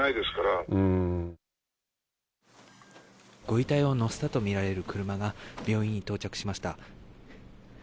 ご遺体を乗せたとみられる車が病院に到着しました。